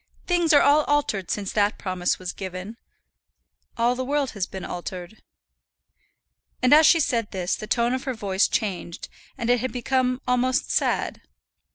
Things are all altered since that promise was given, all the world has been altered." And as she said this the tone of her voice was changed, and it had become almost sad.